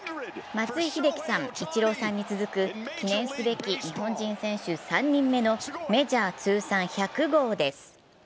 松井秀喜さん、イチローさんに続く記念すべき日本人選手３人目のメジャー通算１００号です。